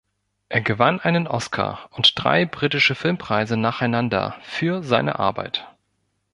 Er gewann einen Oscar und drei Britische Filmpreise nacheinander für seine Arbeit.